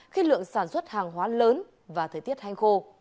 khi lượng sản xuất hàng hóa lớn và thời tiết hành khô